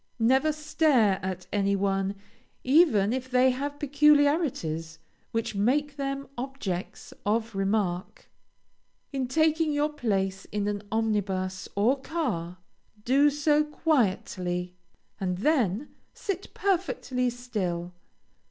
Never stare at any one, even if they have peculiarities, which make them objects of remark. In taking your place in an omnibus or car, do so quietly, and then sit perfectly still.